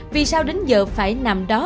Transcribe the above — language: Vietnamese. vì sao đến giờ phải nằm đó